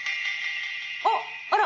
あっあら